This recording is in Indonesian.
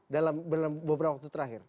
dalam beberapa waktu terakhir